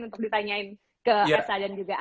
untuk ditanyain ke asa dan juga